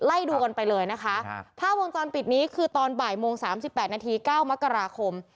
ไล่ดูกันไปเลยนะคะภาพวงจรปิดนี้คือตอนบ่ายโมง๓๘นาที๙มกราคม